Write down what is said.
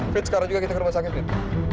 fit sekarang juga kita ke rumah sakit fit